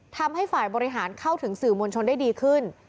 ทำให้ฝ่ายบริหารเข้าถึงสื่อมวลชนได้ดีขึ้น